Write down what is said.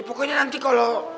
pokoknya nanti kalau